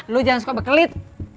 lo jangan suka berkelit